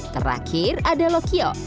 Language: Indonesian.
terakhir ada loquio